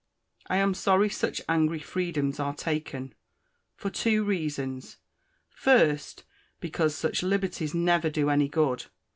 I am sorry such angry freedoms are taken, for two reasons; first, because such liberties never do any good.